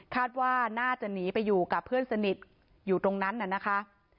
คาดว่าน่าจะหนีไปอยู่กับเพื่อนสนิทอยู่ตรงนั้นน่ะนะคะ